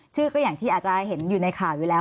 ก็อย่างที่อาจจะเห็นอยู่ในข่าวอยู่แล้ว